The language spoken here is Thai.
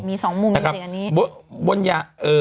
มี๒มุมอันนี้